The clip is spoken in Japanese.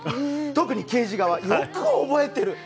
特に刑事側、よく覚えてる。